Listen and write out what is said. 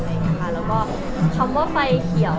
แล้วก็คำว่าไฟเขียว